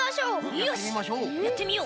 よしやってみよう！